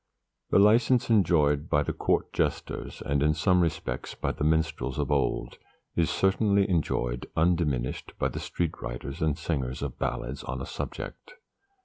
The license enjoyed by the court jesters, and in some respects by the minstrels of old, is certainly enjoyed, undiminished, by the street writers and singers of ballads on a subject.